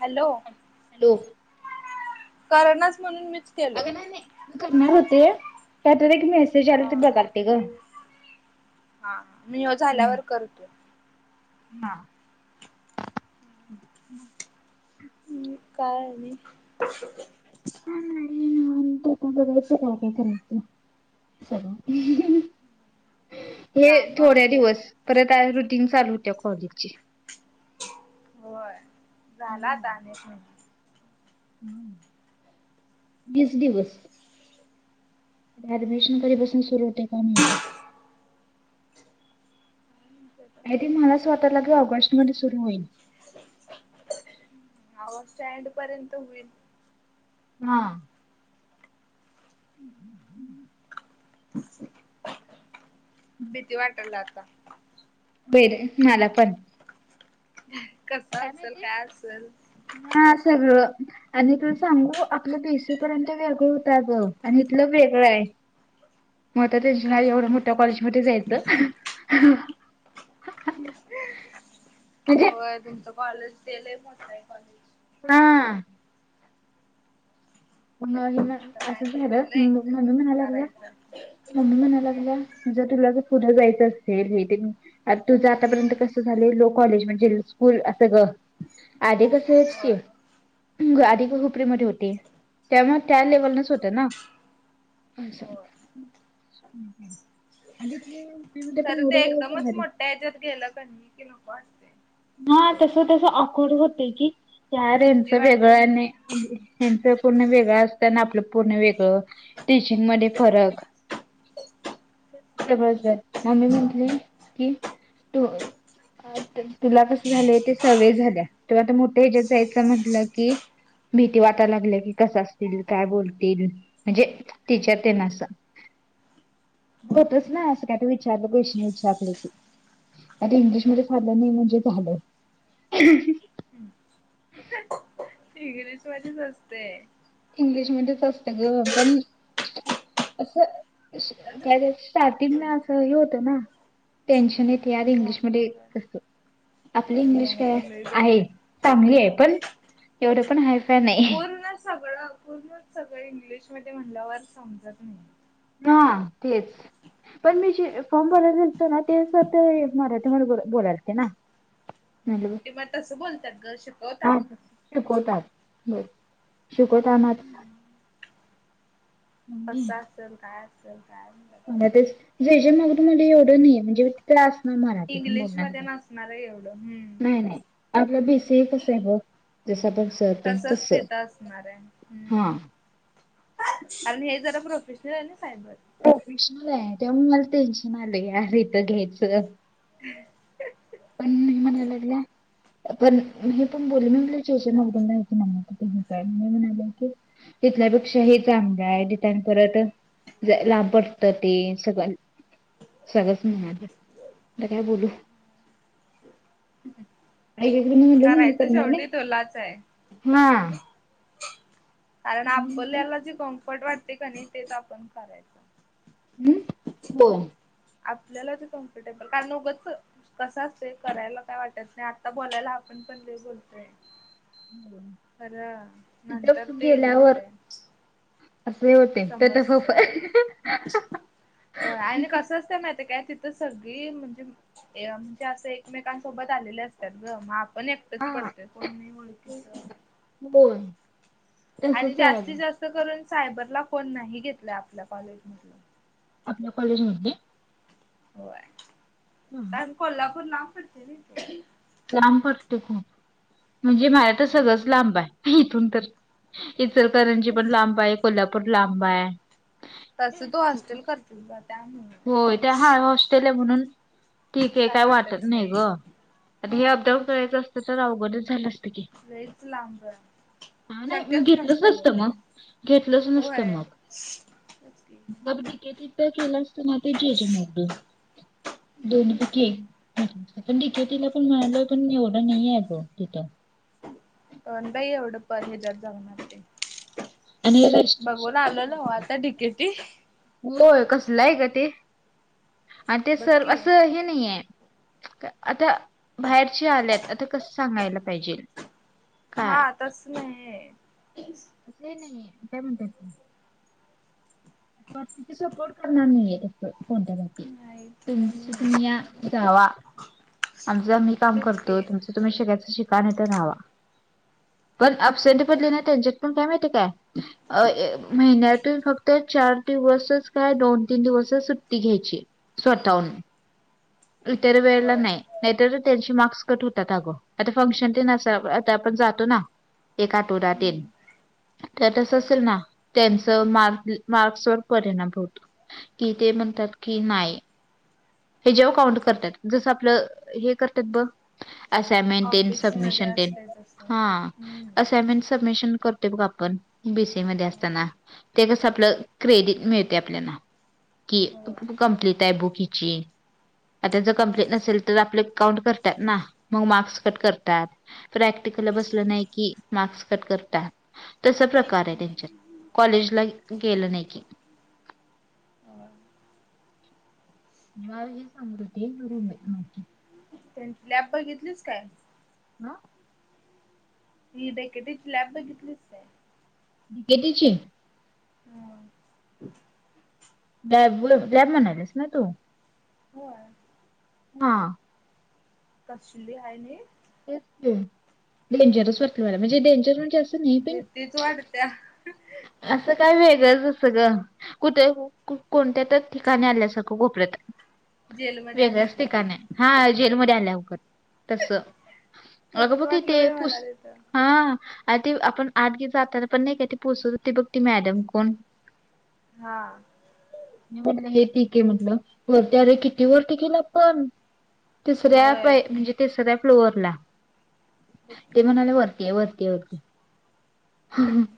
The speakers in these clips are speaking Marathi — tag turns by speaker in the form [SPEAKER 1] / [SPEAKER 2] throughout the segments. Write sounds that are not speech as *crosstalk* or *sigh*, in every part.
[SPEAKER 1] हॅलो
[SPEAKER 2] हॅलो
[SPEAKER 1] करनास म्हणून मीच केलो.
[SPEAKER 2] अगं करणार होते त्यातच एक मेसेज आला
[SPEAKER 1] हा
[SPEAKER 2] ते बगलते ग.
[SPEAKER 1] हा मी झाल्यावर कर तू.
[SPEAKER 2] हा. *inaudible*
[SPEAKER 1] हम्म, काय आणि?
[SPEAKER 2] तू का बघायचं काय काय करायचं? सगा हे
[SPEAKER 1] काम
[SPEAKER 2] थोड्या दिवस परत आर रुटीन चालू हुतिया कॉलेजची.
[SPEAKER 1] होय झाल आता आणि एक
[SPEAKER 2] वीस दिवस. ऍडमिशन कधी पासून सुरू होतय काय माहिती आता.
[SPEAKER 1] *inaudible*
[SPEAKER 2] ह्या ती मला स्वतःला की ऑगस्ट मध्ये सुरू होईल.
[SPEAKER 1] आव स्टँड पर्यंत होईल.
[SPEAKER 2] हा. *inaudible*
[SPEAKER 1] *inaudible* भीती वाटालय आता.
[SPEAKER 2] बेरे मला पण.
[SPEAKER 1] कसा असल काय असल.
[SPEAKER 2] हा सगळं. आणि तुला सांगू आपलं बी सी ए पर्यंत वेगळं होत आग आणि इथलं वेगळं आय. म आता टेन्शन
[SPEAKER 1] म्हणजे
[SPEAKER 2] आय एवढं मो त्या कॉलेज मध्ये जायचं. म्हणजे
[SPEAKER 1] होय तुमचं कॉलेज ते लय मोठ आय कॉलेज.
[SPEAKER 2] ना. मग हीन
[SPEAKER 1] आता काय
[SPEAKER 2] असं झालं
[SPEAKER 1] घेतलंय
[SPEAKER 2] मग मम्मी म्हणा लागल्या
[SPEAKER 1] करायचं
[SPEAKER 2] मम्मी म्हणाय
[SPEAKER 1] हम्म
[SPEAKER 2] लागल्या जर तुला जर पुढ जायचं असेल हे ते तुझं आतापर्यंत कस झालं लो कॉलेज म्हणजे स्कूल असं ग आधी कस तेच की
[SPEAKER 1] होय
[SPEAKER 2] आदी खुपरी मध्ये होते. त्यामुळ त्या लेवलनच होत ना आस.
[SPEAKER 1] होय
[SPEAKER 2] *unintelligible*
[SPEAKER 1] खर ते
[SPEAKER 2] एवढं
[SPEAKER 1] एकदमच
[SPEAKER 2] भारी
[SPEAKER 1] मोठ्या हेच्यात गेलं क नई की नको असतंय.
[SPEAKER 2] हा तस तस अकोड होतय की यार
[SPEAKER 1] भीती
[SPEAKER 2] याचं वेगळ
[SPEAKER 1] वाटते
[SPEAKER 2] आणि
[SPEAKER 1] मग
[SPEAKER 2] हेनचं पूर्ण वेगळं असतंय आपलं पूर्ण वेगळं टीचिंगमध्ये फरक
[SPEAKER 1] *inaudible* *inaudible*
[SPEAKER 2] सगळ्य हाय मम्मी म्हटली कि तू तुला कस झालय ते सवय झाल्या तुला आ मोठ्या ह्याच्यात जायचं म्हटलं की, भीती वाटायला लागल्या की कसं असतील काय बोलतील म्हणजे टिचर तेन अस होतच ना असं काय ते विचारलं गोषन विचारलं की आता इंग्लिश मध्ये झालं नई म्हणजे झालं,
[SPEAKER 1] इंग्लिश मधीच असतय
[SPEAKER 2] इंग्लिशमध्येच असत ग पण असं त्या असं. स्टर्टिंगला हे होतं ना टेन्शन येतय यार इंग्लिशमध्ये कस आपली इंग्लिश
[SPEAKER 1] मला
[SPEAKER 2] काय
[SPEAKER 1] तर लई बाई
[SPEAKER 2] आहे चांगली हाय पण एवढं पण हाय
[SPEAKER 1] पूर्ण सगळं पूर्णच सगळं इंग्लिशमधे म्हणल्यावर समजत न्हाय
[SPEAKER 2] ह तेच पण मी जे फॉर्म भरायला दिलते ना ते सर ते मराठीमध्ये बोल बोलालते ना *unintelligible*
[SPEAKER 1] ते मग तसं बोलत्यात ग
[SPEAKER 2] हा
[SPEAKER 1] शिकवताना
[SPEAKER 2] शिकवतात हम शिकवताना
[SPEAKER 1] कसं असल काय असल काय म्हणतात.
[SPEAKER 2] म्हणटल तेच जे जे मगदूम ला एवढं नईये म्हणजे यास ना मराठीतून बोलणार
[SPEAKER 1] इंग्लिशमध्ये
[SPEAKER 2] नाही
[SPEAKER 1] नसणार आहे एवढं हम्म
[SPEAKER 2] न्हाय
[SPEAKER 1] तेच.
[SPEAKER 2] न्हाय. आपलं बीसी कसं आहे. बंग जसं *inaudible*
[SPEAKER 1] तसच तिथं असणार आहे. हम्म
[SPEAKER 2] हा
[SPEAKER 1] आणि हे जरा प्रोफेशनल आहे ना सायबर
[SPEAKER 2] प्रोफेशनल आहे. तेव्हा मला टेन्शन आलंय इथं घ्यायचं
[SPEAKER 1] *inaudible*
[SPEAKER 2] पण मी म्हनायला लागल्या. पण हे पण बोल मी जे जे मगदूम नाही की मम्मी क हे काय म्हणाले की तिथल्यापेक्षा हे चांगलं आहे. तिथं आणि परत ला पडतं ते सगळं सगळंच म्हणाले. आता काय बोलू आई तुला म्हणल नाही.
[SPEAKER 1] करायचं
[SPEAKER 2] करणार नाही
[SPEAKER 1] शेवटी तुलाच आहे.
[SPEAKER 2] हा.
[SPEAKER 1] पण
[SPEAKER 2] मम्मी म्हणते,
[SPEAKER 1] आपल्याला जे कम्फर्ट वाटते का नाही तेच आपण करायचं.
[SPEAKER 2] हम् हो.
[SPEAKER 1] आपल्याला ते कम्फटेबल कारण उगाचं. कस असतय करायला काय वाटत नाही. आता बोलायला आपण पण लय बोलतोय. खरं नंतर
[SPEAKER 2] तिथं
[SPEAKER 1] ते हे होतय.
[SPEAKER 2] असेही होतंय. ते तसचं हाय
[SPEAKER 1] होय आणि कसं असतय माहिती काय तिथं सगळी म्हणजे. म्हणजे असं एकमेकांसोबत आलेले असतात ग मग पण एकटंच
[SPEAKER 2] हा
[SPEAKER 1] पडतंय कोण नाही ओळखीच.
[SPEAKER 2] बोल.
[SPEAKER 1] आणि जास्तीत जास्त करून सायबरला कोन नाही घेतलं आपल्या कॉलेज मधी.
[SPEAKER 2] आपल्या कॉलेजमधले?
[SPEAKER 1] होय
[SPEAKER 2] हं.
[SPEAKER 1] कारण कोल्हापूर ना लांब पडतंय इथून.
[SPEAKER 2] लांब पडतय खूप म्हणजे *unintelligible* तर सगळंच लांब आहे इथून तर. इचलकरंजी पण लांबाय कोल्हापूर लांबय
[SPEAKER 1] तस तू हॉस्टेल करशील ना त्यामुळे.
[SPEAKER 2] हो ते हाय, हॉस्टेल आहे म्हणून ठीक आहे काय वाटत नाही ग. आणि हे
[SPEAKER 1] हा
[SPEAKER 2] अप डाऊन करायचं असत तर अवगडच झालं असत.
[SPEAKER 1] लईच लांबय.
[SPEAKER 2] हा नाही मी घेतलोच नसतो मग घेतलोच नसतो
[SPEAKER 1] होय
[SPEAKER 2] मग.
[SPEAKER 1] तेच की
[SPEAKER 2] मग डीकेटी तर केलं असत, नाहीतर जे जे मगदूम. दोन्ही पैकी एक पण डी के टी ला पण मिळाल पण एवढं नाही आहे ग तिथं.
[SPEAKER 1] पण नाही एवढं पण हेच्यात जाऊण आत ते
[SPEAKER 2] आणि रेस्ट्रिक्शन
[SPEAKER 1] बघून आलेलो
[SPEAKER 2] खूप आहे
[SPEAKER 1] नव्ह
[SPEAKER 2] तिथं
[SPEAKER 1] आता डीकेटी.
[SPEAKER 2] होय कसलंय ग ते आणि ते
[SPEAKER 1] बघ
[SPEAKER 2] सर
[SPEAKER 1] की
[SPEAKER 2] असं हे नाहीय आता बाहेरचे आल्यात आता कस सांगायला पाहिजे
[SPEAKER 1] हा
[SPEAKER 2] काय
[SPEAKER 1] तस नाही.
[SPEAKER 2] असं हे नाही काय म्हणत्यात ते बाकीचे सपोर्ट करणार नाहीय तिथे कोणत्या बाबतीत
[SPEAKER 1] नाही
[SPEAKER 2] तुमच
[SPEAKER 1] हम्म
[SPEAKER 2] तुम्ही या जावा आमचं आम्ही काम
[SPEAKER 1] तेच
[SPEAKER 2] करतो,
[SPEAKER 1] की
[SPEAKER 2] तुमचं तुम्ही तुम्ही शिकायचे शिका नाही तर राव्हा पण अबसेंटी पडली ना त्यांच्या पण काय माहिती काय महिन्यातून फक्त चार दिवसच काय दोन तीन दिवस च सुट्टी घ्यायची स्वतःहून इतर वेळेला
[SPEAKER 1] होय
[SPEAKER 2] नाही. नाहीतर त्यांचे मार्क्स कट होत्यात अग, आता फंक्शन तेन आता आपण जातो ना. एक आठवडा तेन
[SPEAKER 1] हम्म
[SPEAKER 2] तर तस
[SPEAKER 1] होय
[SPEAKER 2] असेल ना त्यांच मार मार्क्स *unintelligible* कि ते म्हणत्यात की नाही. हेच्याव काउंट करत्यात, जसं आपलं हे करत्यात बग असायमेंट तेन
[SPEAKER 1] ऑफिस मध्ये
[SPEAKER 2] सबमिशन तेन
[SPEAKER 1] असते तसं
[SPEAKER 2] हा
[SPEAKER 1] हम्म
[SPEAKER 2] असायमेंस्ट सबमिशन करतोय बघ आपण बी. सी. ए. मध्ये असताना. ते कस आपलं क्रेडिट मिळतय आपल्याला कि
[SPEAKER 1] होय
[SPEAKER 2] कंप्लीट आहे बुक हिची आता जर
[SPEAKER 1] हम्म
[SPEAKER 2] कंप्लेट नसेल तर आपले काउंट करत्यात ना मग मार्क्स कट करत्यात प्रॅक्टिकलला बसलं नाही की मार्क्स कट करत्यात तस प्रकार आहे त्यांच्यात कॉलेजला गेलं नाही की.
[SPEAKER 1] होय
[SPEAKER 2] मला ही सांगत होती, रूममेट माझी.
[SPEAKER 1] त्यांची लॅब बघितलीस काय?
[SPEAKER 2] आ.
[SPEAKER 1] ती डी के टि ची लॅब बघितलीस काय?
[SPEAKER 2] डी के टी ची.
[SPEAKER 1] हा *unintelligible*
[SPEAKER 2] लॅबु लॅब म्हणालियास ना तू.
[SPEAKER 1] होय.
[SPEAKER 2] हा.
[SPEAKER 1] कसली हाय नाई.
[SPEAKER 2] तेच की डेंजरस वरती वाटली मला म्हणजे डेंजर म्हणजे असं नाही पण
[SPEAKER 1] तीच वाढत्या.
[SPEAKER 2] असं काय वेगळंच असं ग. कुठे कोणत्यात ठिकाणी आल्यासारखं कोपऱ्यात.
[SPEAKER 1] जेलमध्ये
[SPEAKER 2] वेगळच
[SPEAKER 1] आल्या
[SPEAKER 2] ठिकाण आहे, हा जेलमध्ये आल्यागत. तस, अगं
[SPEAKER 1] तसच
[SPEAKER 2] बग कि ते
[SPEAKER 1] वाटलं बाई
[SPEAKER 2] पुस
[SPEAKER 1] मला तिथं
[SPEAKER 2] हा अ ते आपण आठगी जाताना पण नाही काय ते पोचून. ते बघ ती मॅडम कोण.
[SPEAKER 1] हा.
[SPEAKER 2] म्हटलं हे ठीके म्हटलं, वरती अरे किती वर गेले आपण. तिसऱ्या
[SPEAKER 1] होय
[SPEAKER 2] म्हणजे, तिसऱ्या फ्लोअरला
[SPEAKER 1] बघ
[SPEAKER 2] ते
[SPEAKER 1] की
[SPEAKER 2] म्हणाले वरती आहे वरती होते *unintelligible*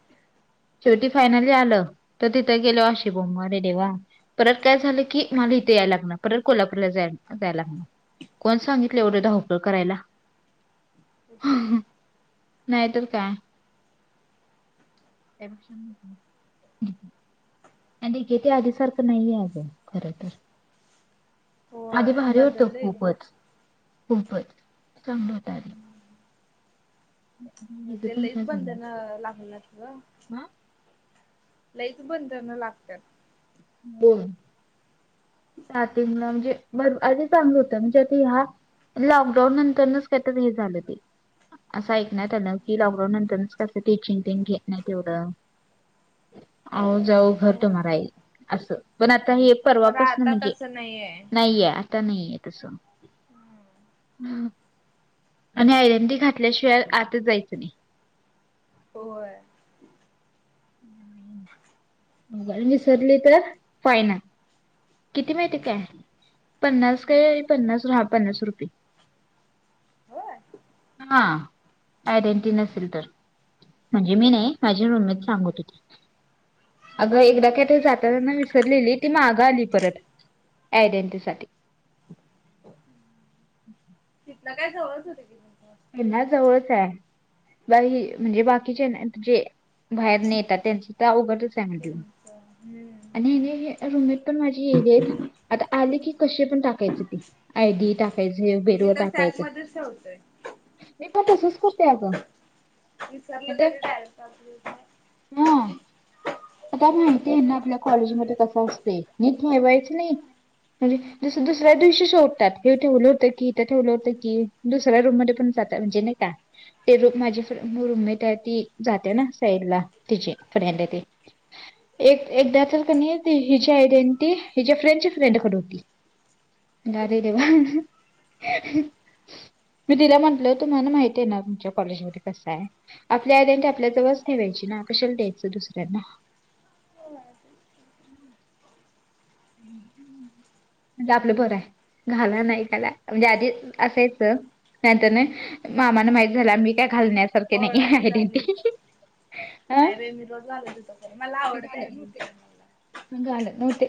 [SPEAKER 2] शेवटी फायनली आलं, तर तिथं गेल्यावर अशी बोंब अरे देवा. परत काय झालं की, मला इथे याय लागणार, परत कोल्हापूरला जा जायला लागणार. कोण सांगितलं एवढं धावपळ करायला.
[SPEAKER 1] तेच की
[SPEAKER 2] नाहीतर काय. एश *unintelligible* आणि निके ते आधीसारखं नाहीये अगं खर तर. आधी
[SPEAKER 1] होय
[SPEAKER 2] भारी होत,
[SPEAKER 1] बदललंय
[SPEAKER 2] खूपच-खूपच चांगल होत. हिज
[SPEAKER 1] ते
[SPEAKER 2] पण
[SPEAKER 1] लईच
[SPEAKER 2] काय झालं
[SPEAKER 1] बंधन लागणार ग.
[SPEAKER 2] हा.
[SPEAKER 1] लईच बंधना लागतात.
[SPEAKER 2] बोल. हातींना म्हणजे बर अीधी चांगलं होतं, म्हणजे आता ह्या. लॉकडाऊन नंतरच कायतरी हे झालं ते. असं ऐकण्यात आलं, की लॉकडाऊन नंतर कसं टीचिंग घेत नाही तेवढं. आओ जाओ घर
[SPEAKER 1] होय
[SPEAKER 2] तुम्हारा, असं पण आता हे परवा
[SPEAKER 1] खरं
[SPEAKER 2] पासून.
[SPEAKER 1] आता तस नाहीेय.
[SPEAKER 2] नाहीे आता नाहीय तसं ह, आणि आयडेंटी घातल्याशिवाय आताच जायचं नाही.
[SPEAKER 1] होय!
[SPEAKER 2] ह नाही *unintelligible* विसरली तर, फाइन आहे, किती माहिती काय? पन्नास काय, पन्नास हा पन्नास रुपये.
[SPEAKER 1] होय
[SPEAKER 2] हा आयडेंटी नसेल तर. म्हणजे मी नाही, माझी रूम मेंट सांगत होती? अगं एकदा का ते साताऱ्यावरन विसरलेली, ती मागं आली परत आयडेंटिसाठी. *unintelligible*
[SPEAKER 1] किल्ला काय जवळच होते की. तुमचं हॉस्टेल
[SPEAKER 2] त्यांना जवळच आहे, बाई म्हणजे बाकीचे आहेत जे बाहेर न येतात त्यांच तर अवघडच आहे म्हटल.
[SPEAKER 1] त्यांचं हम्म.
[SPEAKER 2] आणि हे रूममेट पण माझी येडी हाईत. आता आले की कशी पण टाकायचे ते, आयडी टाकायचं हे बे
[SPEAKER 1] मी तर सॅक मध्येच ठेवतोय.
[SPEAKER 2] मी पण तसंच करतोय अगं.
[SPEAKER 1] विसरलं तरी डायरेक्ट अस
[SPEAKER 2] ह आता माहिती आहे ना आपल्या कॉलेज मध्ये कस असतय मी ठेवायच नाही? दुसऱ्या दिवशी शोधतात हे ठेवलं होतं की इथ ठेवलं होतं की दुसऱ्या रूममध्ये जाता म्हणजे नाही का? ती रूम माझी रूममेट आहे ती जाते ना साईड ला तिची फ्रेंड आहे ते एक एकदा तर क नाही हिची आयडेंटी हिच्या फ्रेंडच्या फ्रेंडकडे होती. अरे देवा! मी तिला म्हण तुम्हाला माहितीय आहे ना तुमच्या कॉलेज मध्ये कसं आहे? आपल्या आयडेंटी आपल्या जवळ ठेवायची ना कशाला द्यायचं दुसऱ्यांना?
[SPEAKER 1] होय!
[SPEAKER 2] म्हणजे आपलं बर आहे घाला नाही घाला म्हणजे आधी असायच. नंतर नाही मामाना माहित झालं मी काय घालण्या सारखी नाही
[SPEAKER 1] ओळख झालीच
[SPEAKER 2] आयडेंटी *unintelligible* हा
[SPEAKER 1] नाही बाई मी रोज घालत होतो खरं मला
[SPEAKER 2] मी
[SPEAKER 1] आवडत
[SPEAKER 2] घालत
[SPEAKER 1] आहे जीन्स
[SPEAKER 2] नव्हते
[SPEAKER 1] घालायला.
[SPEAKER 2] मी घालत नव्हते.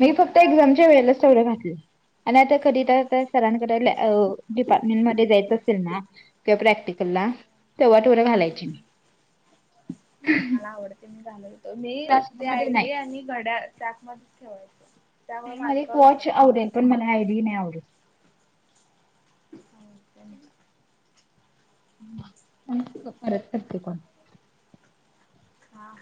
[SPEAKER 2] मी फक्त
[SPEAKER 1] मला
[SPEAKER 2] एक्झामच्या
[SPEAKER 1] आवडते
[SPEAKER 2] वेळेला तेवढं घातले. आणि आता कधी तर आ सरांकडे डिपार्टमेंटमध्ये जायचं असेल ना? किंवा प्रॅक्टिकलला तेव्हा तेवढं घालायची मी
[SPEAKER 1] मला आवडते मी घालत होतो मी
[SPEAKER 2] क्लासरूम
[SPEAKER 1] त्या
[SPEAKER 2] मध्ये
[SPEAKER 1] आयडी
[SPEAKER 2] नाही
[SPEAKER 1] आणि घड्याळ सॅक मध्येच ठेवायचो. त्यामुळे माझं
[SPEAKER 2] मला
[SPEAKER 1] कवा
[SPEAKER 2] एक वॉच
[SPEAKER 1] विसरत
[SPEAKER 2] आवडेल
[SPEAKER 1] नव्हतं.
[SPEAKER 2] पण मला आयडी नाही आवडत. हम्म परत करते कॉल.
[SPEAKER 1] हा